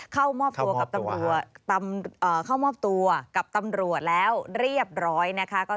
เข้ามอบตัวกับตำรวจแล้วเรียบร้อยนะคะ